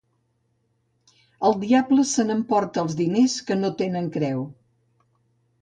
El diable se n'emporta els diners que no tenen creu.